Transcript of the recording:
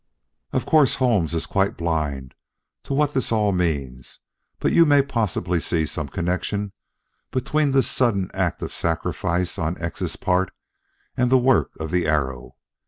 "Of course Holmes is quite blind to what this all means, but you may possibly see some connection between this sudden act of sacrifice on X's part and the work of the arrow.